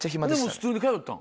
普通に通った？